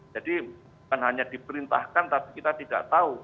jadi bukan hanya diperintahkan tapi kita tidak tahu